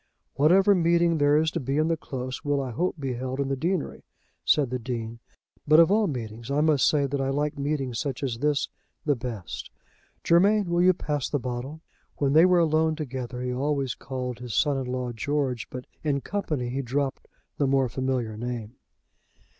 "Whatever meeting there is to be in the Close, will, I hope, be held in the deanery," said the Dean; "but of all meetings, I must say that I like meetings such as this, the best. Germain, will you pass the bottle?" When they were alone together he always called his son in law, George; but in company he dropped the more familiar name.